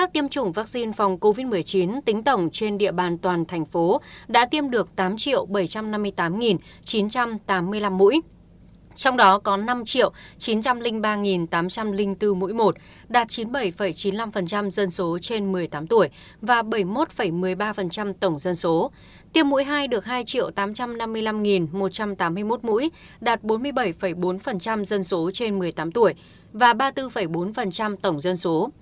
tiếp mũi hai được hai triệu tám trăm năm mươi năm một trăm tám mươi một mũi đạt bốn mươi bảy bốn dân số trên một mươi tám tuổi và ba mươi bốn bốn tổng dân số